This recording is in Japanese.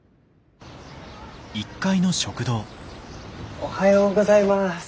おはようございます。